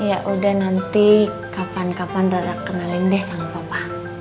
yaudah nanti kapan kapan rara kenalin deh sama papa